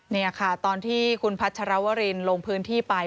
นี่ค่ะตอนที่คุณพัชรวรินลงพื้นที่ไป